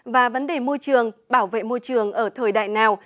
và vấn đề môi trường bảo vệ môi trường ở thời đại nào